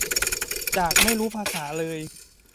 จากไม่รู้ภาษาเลย